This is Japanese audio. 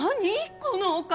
このお金！